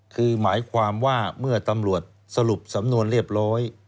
คือหมายความว่าเมื่อตำรวจสรุปสำนวนเรียบร้อย